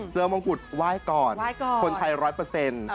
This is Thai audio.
เจอมงกฏไหว้ก่อนคนไทย๑๐๐